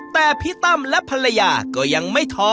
แต่พี่ตั้มและภรรยาก็ยังไม่ท้อ